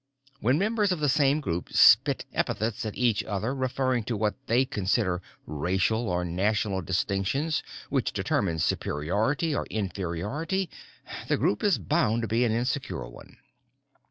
When members of the same group spit epithets at each other referring to what they consider racial or national distinctions which determine superiority or inferiority, the group is bound to be an insecure one.